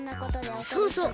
そうそう